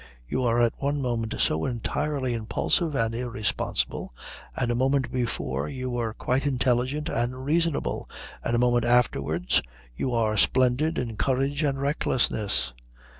You are at one moment so entirely impulsive and irresponsible, and a moment before you were quite intelligent and reasonable, and a moment afterwards you are splendid in courage and recklessness."